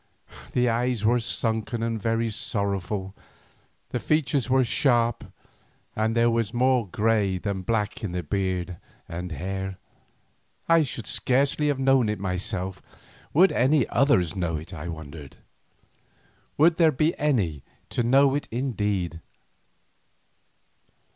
the eyes were sunken and very sorrowful, the features were sharp, and there was more grey than black in the beard and hair. I should scarcely have known it myself, would any others know it, I wondered? Would there be any to know it indeed?